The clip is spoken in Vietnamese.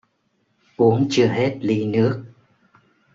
Uống chưa hết ly nước